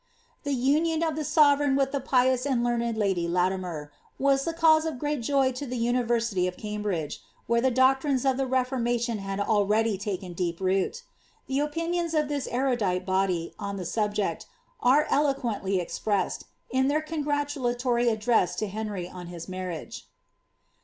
The union of the sovereign with the pious and learned lady Latimer, ^M ihe cause of great joy to the university of Cainbriil;^e, where the rOctriiies of the Reformation had already taken deep root. The opin 'ctils of this erudite body, on the subject, are ehK^uently expressed, in ^ir congratulatory address to Henry on his marriage.